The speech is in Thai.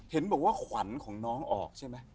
เห็นบอกว่าขวัญของน้องออกใช่ไหม